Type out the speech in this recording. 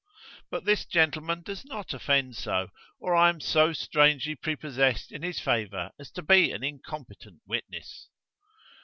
But this gentleman does not offend so, or I am so strangely prepossessed in his favour as to be an incompetent witness."